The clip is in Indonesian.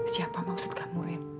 siapa maksud kamu ren